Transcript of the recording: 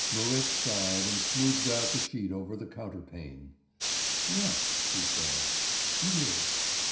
Marit sighed and smoothed out the sheet over the counterpane. "Yes," she said, "it is."